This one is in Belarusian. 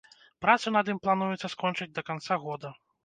Працу над ім плануецца скончыць да канца года.